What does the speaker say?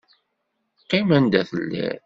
Qqim anda telliḍ!